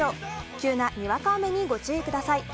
急なにわか雨にご注意ください。